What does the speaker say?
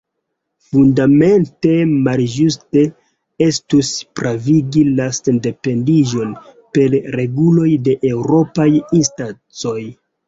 Fundamente malĝuste estus pravigi la sendependiĝon per reguloj de eŭropaj instancoj.